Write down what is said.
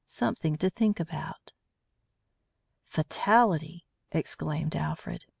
XI SOMETHING TO THINK ABOUT "Fatality!" exclaimed Alfred.